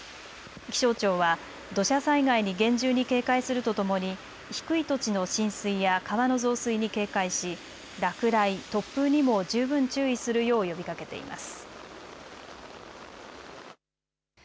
気象庁は土砂災害に厳重に警戒するとともに低い土地の浸水や川の増水に警戒し落雷、突風にも十分注意するよう呼びかけています。